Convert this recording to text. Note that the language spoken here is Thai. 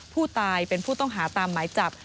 ผู้ตายเป็นผู้ต้องหาตามหมายจับ